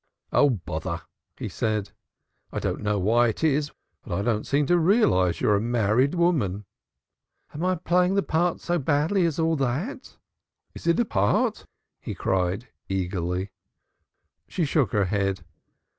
"Oh, bother!" he said. "I don't know why it is, but I don't seem to realize you're a married woman." "Am I playing the part so badly as all that?" "Is it a part?" he cried eagerly. She shook her head.